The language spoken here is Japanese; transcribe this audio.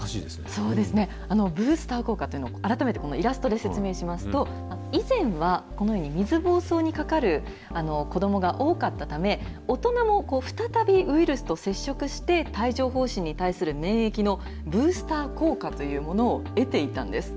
そうですね、ブースター効果というのを、改めてイラストで説明しますと、以前はこのように、水ぼうそうにかかる子どもが多かったため、大人も再びウイルスと接触して、帯状ほう疹に対する免疫のブースター効果というものを得ていたんです。